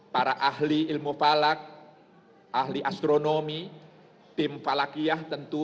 para ahli ilmu falak ahli astronomi tim falakiyah tentu